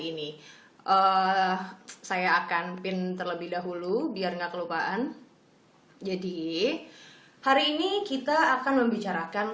ini saya akan pin terlebih dahulu biar enggak kelupaan jadi hari ini kita akan membicarakan